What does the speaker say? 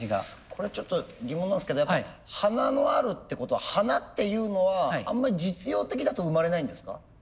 これちょっと疑問なんですけどやっぱ「華のある」ってことは「華」っていうのはあんまり実用的だと生まれないんですか？